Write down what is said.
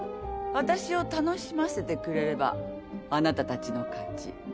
私を楽しませてくれればあなたたちの勝ち。